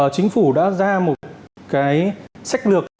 chính phủ đã ra một cái sách lược